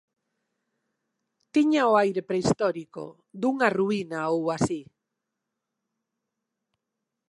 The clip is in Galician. Tiña o aire prehistórico dunha ruína ou así.